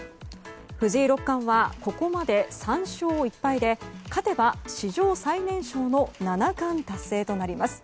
藤井六冠はここまで３勝１敗で勝てば史上最年少の七冠達成となります。